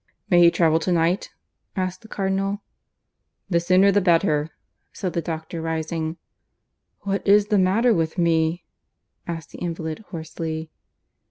"May he travel to night?" asked the Cardinal. "The sooner the better," said the doctor, rising. "What is the matter with me?" asked the invalid hoarsely.